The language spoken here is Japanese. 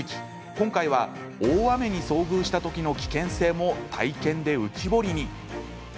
今回は大雨に遭遇した時の危険性も体験で浮き彫りに。